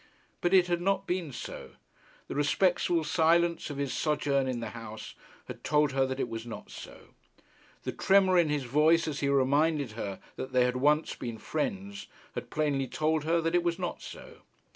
But it had not been so. The respectful silence of his sojourn in the house had told her that it was not so. The tremor in his voice as he reminded her that they once had been friends had plainly told her that it was not so.